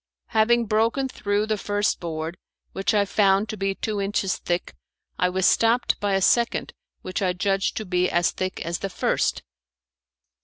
Having broken through the first board, which I found to be two inches thick, I was stopped by a second which I judged to be as thick as the first.